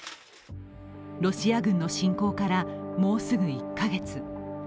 ロシア軍の侵攻からもうすぐ１カ月。